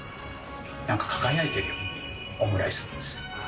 なんか輝いてるように見えるオムライスなんです。